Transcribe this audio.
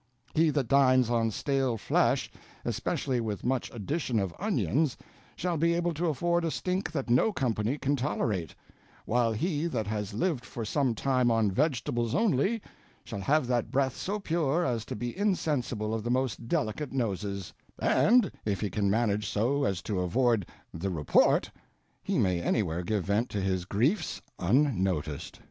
He that dines on stale Flesh, especially with much Addition of Onions, shall be able to afford a stink that no Company can tolerate; while he that has lived for some time on Vegetables only, shall have that Breath so pure as to be insensible of the most delicate Noses; and if he can manage so as to avoid the Report, he may anywhere give vent to his Griefs, unnoticed.